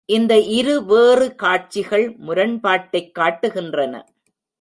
இந்த இருவேறு காட்சிகள் முரண்பாட்டைக் காட்டுகின்றன.